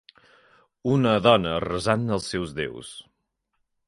Una dona resant als seus déus.